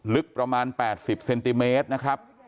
ลึกประมาณ๘๐เซนติเมตรนะครับ